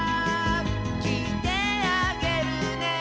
「きいてあげるね」